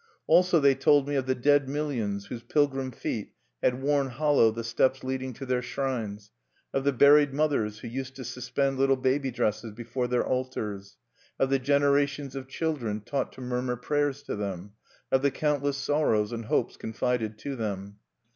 Also they told me of the dead millions whose pilgrim feet had worn hollow the steps leading to their shrines, of the buried mothers who used to suspend little baby dresses before their altars, of the generations of children taught to murmur prayers to them, of the countless sorrows and hopes confided to them.